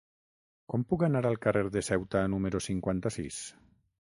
Com puc anar al carrer de Ceuta número cinquanta-sis?